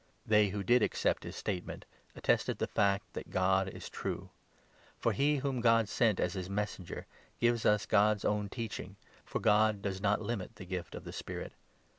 They who did accept his statement attested the fact 33 that God is true. For he whom God sent as his Messenger 34 gives us God's own teaching, for God does not limit the gift of the Spirit.